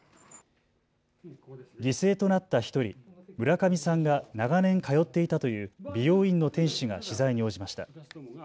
犠牲となった１人、村上さんが長年通っていたという美容院の店主が取材に応じました。